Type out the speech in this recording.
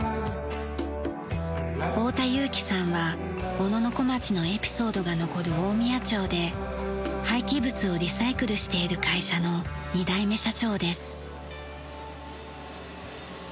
太田祐城さんは小野小町のエピソードが残る大宮町で廃棄物をリサイクルしている会社の２代目社長です。